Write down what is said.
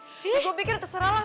gue pikir terserah lah